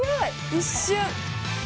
一瞬！